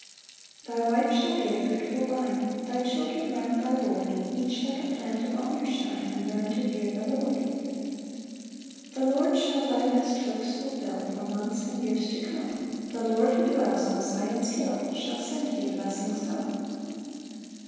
3 [Thy wife shall be a fruitful vine; Thy children round thy board, Each like a plant of honour shine, And learn to fear the Lord.] 4 The Lord shall thy best hopes fulfil For months and years to come; The Lord who dwells on Zion's hill, Shall send thee blessings home.